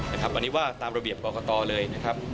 อันนี้ว่าตามระเบียบกรกตเลยนะครับ